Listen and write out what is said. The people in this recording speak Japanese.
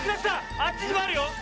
あっちにもあるよ！